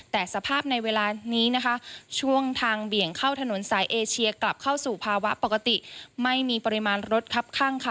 แต่สภาพในเวลานี้นะคะช่วงทางเบี่ยงเข้าถนนสายเอเชียกลับเข้าสู่ภาวะปกติไม่มีปริมาณรถคับข้างค่ะ